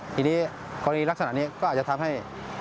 ทีนี้กรณีลักษณะนี้ก็อาจจะทำให้